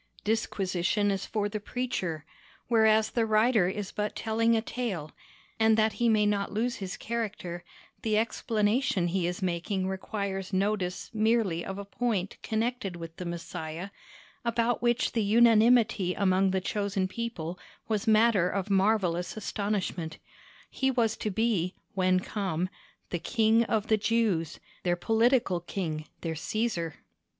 Disquisition is for the preacher; whereas the writer is but telling a tale, and that he may not lose his character, the explanation he is making requires notice merely of a point connected with the Messiah about which the unanimity among the chosen people was matter of marvellous astonishment: he was to be, when come, the KING OF THE JEWS—their political King, their Caesar.